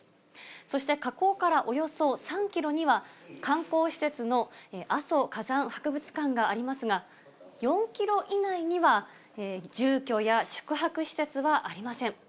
そして火口からおよそ３キロには、観光施設の阿蘇火山博物館がありますが、４キロ以内には、住居や宿泊施設はありません。